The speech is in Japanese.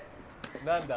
何だ？